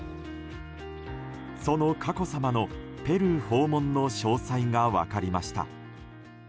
その佳子さまのペルー訪問の詳細が分かりました。